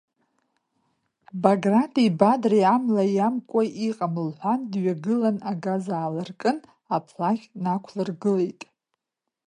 Баграти Бадреи амла иамкуа иҟам, — лҳәан, дҩагылан, агаз аалыркын, аԥлакь нақәлыргылеит.